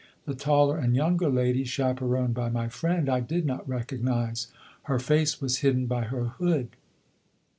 The taller and younger lady, chaperoned by my friend, I did not recognise. Her face was hidden by her hood.